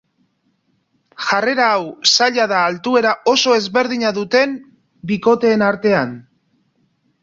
Jarrera hau zaila da altuera oso ezberdina duten bikoteen artean.